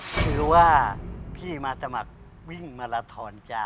ถือว่าพี่มาสมัครวิ่งมาลาทอนจ้า